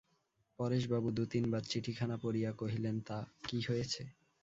পরেশবাবু দু-তিন বার চিঠিখানা পড়িয়া কহিলেন, তা, কী হয়েছে?